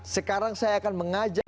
sekarang saya akan mengajak